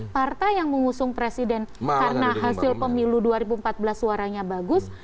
partai yang mengusung presiden karena hasil pemilu dua ribu empat belas suaranya bagus